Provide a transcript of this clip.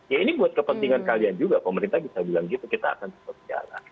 ya ini buat kepentingan kalian juga pemerintah bisa bilang gitu kita akan tetap jalan